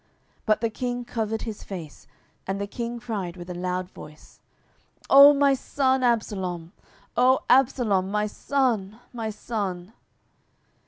10:019:004 But the king covered his face, and the king cried with a loud voice, O my son Absalom, O Absalom, my son, my son!